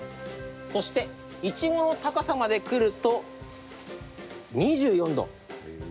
そしてイチゴの高さまで来ると２４度。